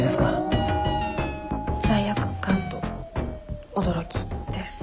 罪悪感と驚きです。